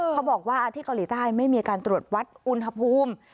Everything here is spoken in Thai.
เขาบอกว่าที่เกาหลีใต้ไม่มีการตรวจวัดอุณหภูมิ